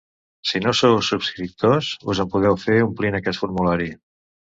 Si no sou subscriptors, us en podeu fer omplint aquest formulari.